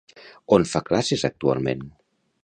On fa classes actualment?